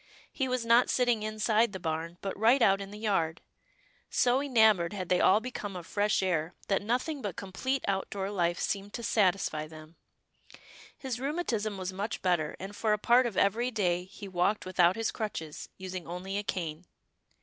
He was not sitting inside the barn, but right out in the yard. So enamoured had they all become of fresh air that nothing but complete out door life seemed to satisfy them. His 265 266 'TILDA JANE'S ORPHANS rheumatism was much better, and for a part of every day, he walked without his crutches, using only a cane.